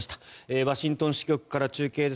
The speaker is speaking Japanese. ワシントン支局から中継です。